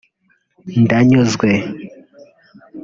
Ndanyuzwe